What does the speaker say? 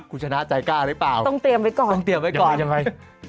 กูจะน่าใจกล้าหรือเปล่าต้องเตรียมไว้ก่อนอย่าไว้อย่างไร